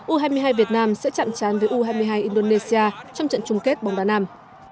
u hai mươi hai việt nam sẽ chạm chán với u hai mươi hai indonesia trong trận chung kết bóng đá nam